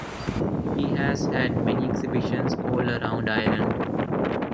He has had many exhibitions all around Ireland.